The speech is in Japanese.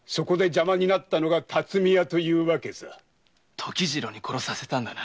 時次郎に殺させたんだな？